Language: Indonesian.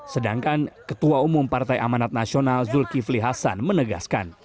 sedangkan ketua umum partai amanat nasional zulkifli hasan menegaskan